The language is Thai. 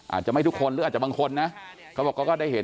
อาจจะไม่ทุกคนหรืออาจจะบางคนนะเขาบอกเขาก็ได้เห็น